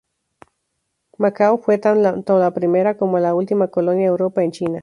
Macao fue tanto la primera como la última colonia europea en China.